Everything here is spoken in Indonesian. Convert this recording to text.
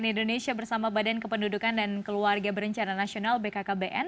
cnn indonesia bersama badan kependudukan dan keluarga berencana nasional bkkbn